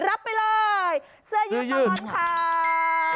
รับไปเลยเสื้อยืดตลอดข่าว